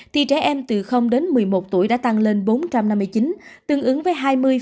thì trẻ em từ đến một mươi một tuổi đã tăng lên bốn trăm năm mươi chín tương ứng với hai mươi một mươi bốn